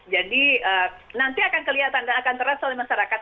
jadi nanti akan terlihat dan akan terasa oleh masyarakat